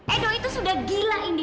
edo itu sudah gila ini